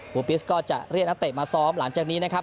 ปิสก็จะเรียกนักเตะมาซ้อมหลังจากนี้นะครับ